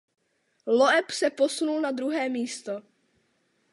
Loeb se posunul na druhé místo.